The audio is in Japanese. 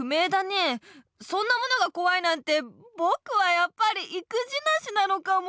そんなものがこわいなんてぼくはやっぱりいくじなしなのかも。